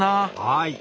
はい。